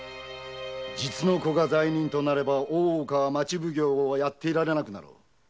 実の子が罪人となれば大岡は町奉行をやっていられなくなるだろう。